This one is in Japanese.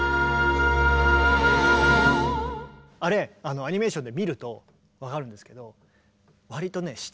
あれアニメーションで見るとわかるんですけど